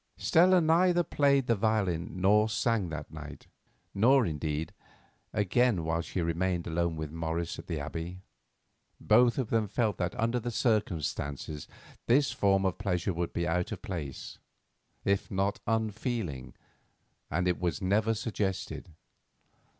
Stella neither played the violin nor sang that night, nor, indeed, again while she remained alone with Morris at the Abbey. Both of them felt that under the circumstances this form of pleasure would be out of place, if not unfeeling, and it was never suggested.